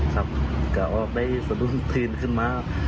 ครับก็ได้สะดุนตื่นขึ้นมา